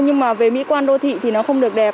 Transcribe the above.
nhưng mà về mỹ quan đô thị thì nó không được đẹp